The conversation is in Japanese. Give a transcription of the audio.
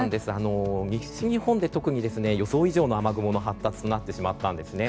西日本で特に予想以上の雨雲の発達になってしまったんですね。